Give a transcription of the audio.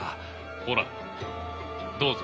ほらどうぞ。